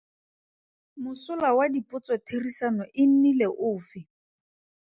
Mosola wa dipotsotherisano e nnile ofe?